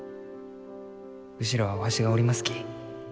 後ろはわしがおりますき。